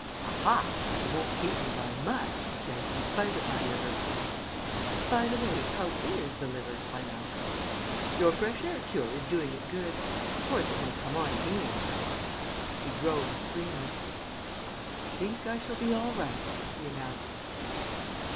"A ha, you won't beat me by much," he said, "in spite of my liver." "By the way, how is the liver?" I asked. "Your fresh air cure is doing it good. Of course, it may come on again, but " He drove a screamer. "I think I shall be all right," he announced.